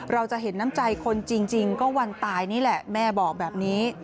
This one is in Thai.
เราจะเห็นน้ำใจคนจริงก็วันตายนี่แหละแม่บอกแบบนี้